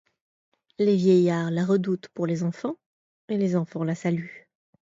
Les vieillards la redoutent pour les enfants, et les enfants la saluent.